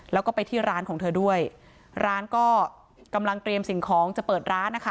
แล้วก็ไปที่ร้านของเธอด้วยร้านก็กำลังเตรียมสิ่งของจะเปิดร้านนะคะ